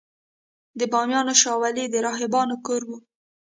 د بامیانو شاولې د راهبانو کور و